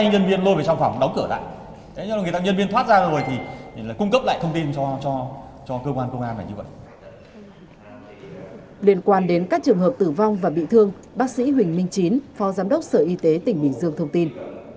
liên quan đến các trường hợp tử vong và bị thương bác sĩ huỳnh minh chín phó giám đốc sở y tế tỉnh bình dương thông tin